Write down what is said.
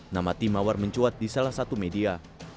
nama tim mawar mencuat di salah satu media